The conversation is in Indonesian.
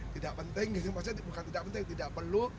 tidak penting maksudnya bukan tidak penting tidak perlu